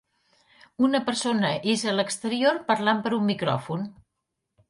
Una persona és a l'exterior parlant per un micròfon.